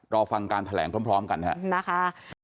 รอฟังการแถลงพร้อมกันครับนะคะ